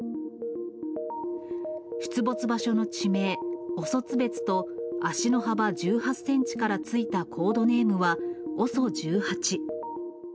出没場所の地名、オソツベツと足の幅１８センチからついたコードネームは、ＯＳＯ１８。